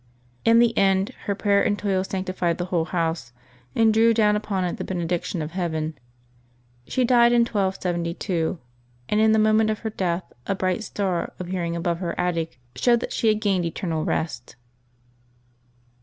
In the end her prayer and toil sanctified the whole house, and drew down upon it the benediction of Heaven. She died in 1272, and in the moment of her death a bright star appearing above her attic showed that she had gained eternal rest.